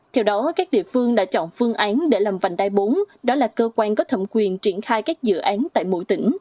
theo đó các địa phương đã chọn phương án để làm vành đai bốn đó là cơ quan có thẩm quyền triển khai các dự án tại mỗi tỉnh